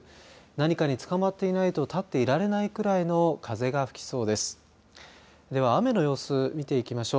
何かにつかまっていないと立っていられないくらいの風が吹きそうです。